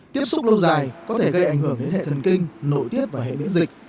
tiếp xúc lâu dài có thể gây ảnh hưởng đến hệ thần kinh nội tiết và hệ biến dịch